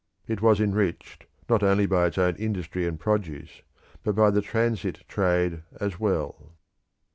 It was enriched not only by its own industry and produce, but by the transit trade as well.